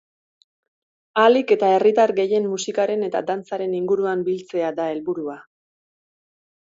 Ahalik eta herritar gehien musikaren eta dantzaren inguruan biltzea da helburua.